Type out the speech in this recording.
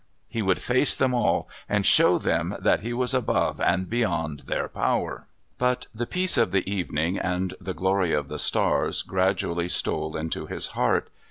He would face them all and show them that he was above and beyond their power. But the peace of the evening and the glory of the stars gradually stole into his heart.